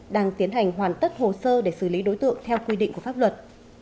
đang tiến hành hoàn tất hồ sơ để xử lý đối tượng theo quy định của pháp luật